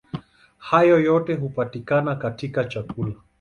Hayo yote hupatikana katika chakula.